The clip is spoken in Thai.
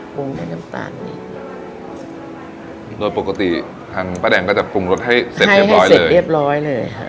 ปรุงได้น้ำตาลนิดโดยปกติทางปะแดงก็จะปรุงรสให้เสร็จเรียบร้อยเลย